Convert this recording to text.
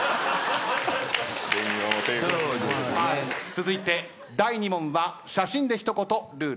続いて第２問は写真で一言ルーレットです。